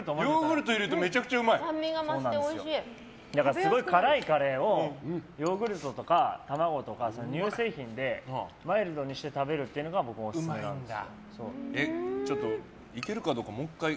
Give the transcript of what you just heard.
すごい辛いカレーをヨーグルトとか卵とか乳製品でマイルドにして食べるというのが僕のオススメなんです。